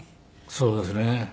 そうですね。